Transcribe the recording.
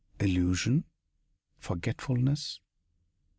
Illusion. Forgetfulness."